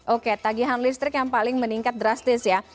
oke tagihan listrik yang paling meningkat drastis ya